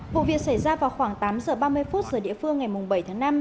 vụ việc xảy ra vào khoảng tám giờ ba mươi phút giờ địa phương ngày bảy tháng năm